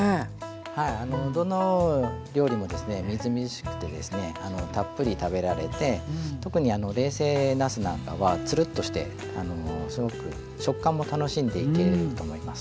はいどの料理もですねみずみずしくてですねたっぷり食べられて特に冷製なすなんかはつるっとしてすごく食感も楽しんでいけると思います。